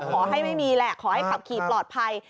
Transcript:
ขอให้ไม่มีแหละขอให้ขับขี่ปลอดภัย